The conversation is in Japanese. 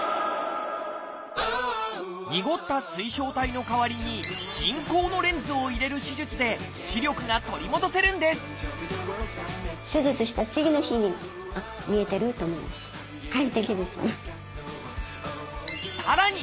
にごった水晶体の代わりに人工のレンズを入れる手術で視力が取り戻せるんですさらに